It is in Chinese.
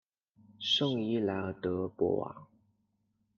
圣伊莱尔德博瓦。